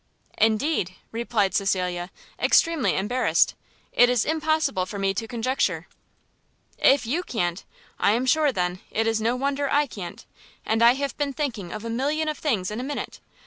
"Indeed," replied Cecilia, extremely embarrassed, "it is impossible for me to conjecture." "If you can't, I am sure, then, it is no wonder I can't! and I have been thinking of a million of things in a minute.